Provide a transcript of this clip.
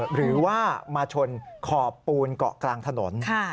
หรือว่ามาชนขอบปูนเกาะกลางถนน